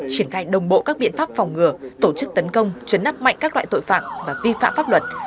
triển khai đồng bộ các biện pháp phòng ngừa tổ chức tấn công chấn áp mạnh các loại tội phạm và vi phạm pháp luật